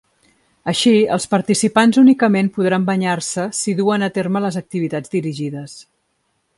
Així, els participants únicament podran banyar-se si duen a terme les activitats dirigides.